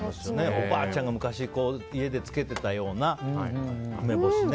おばあちゃんが昔家で漬けていたような梅干しね。